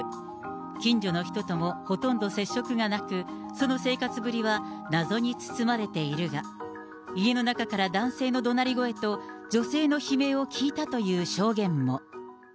近所の人ともほとんど接触がなく、その生活ぶりは謎に包まれているが、家の中から男性のどなり声と女性の悲鳴を聞いたという証言も。